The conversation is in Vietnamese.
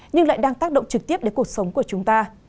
nhưng lại đang tác động trực tiếp đến cuộc sống của chúng ta